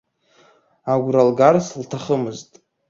Агәра лгарц лҭахымызт.